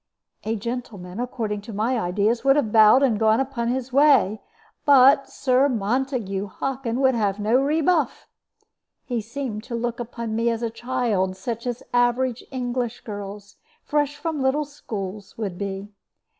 A gentleman, according to my ideas, would have bowed and gone upon his way; but Sir Montague Hockin would have no rebuff. He seemed to look upon me as a child, such as average English girls, fresh from little schools, would be.